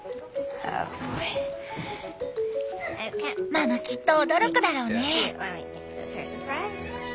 ママきっと驚くだろうね。